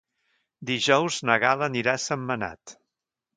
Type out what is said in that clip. Dijous na Gal·la anirà a Sentmenat.